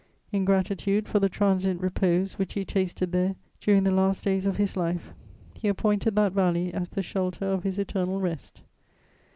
In gratitude for the transient repose which he tasted there during the last days of his life, he appointed that valley as the shelter of his eternal rest.